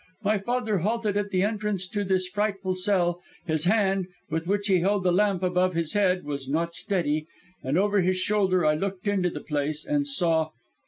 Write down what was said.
My father halted at the entrance to this frightful cell; his hand, with which he held the lamp above his head, was not steady; and over his shoulder I looked into the place and saw